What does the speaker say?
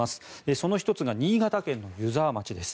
その１つが新潟県の湯沢町です。